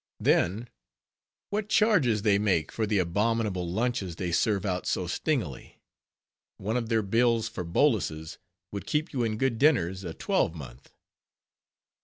Then, what charges they make for the abominable lunches they serve out so stingily! One of their bills for boluses would keep you in good dinners a twelve month.